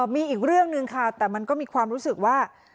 มีอีกเรื่องหนึ่งค่ะแต่มันก็มีความรู้สึกว่า